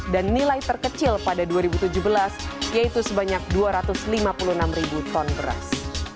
dan nilai terkecil pada dua ribu tujuh belas yaitu sebanyak dua ratus lima puluh enam ribu ton beras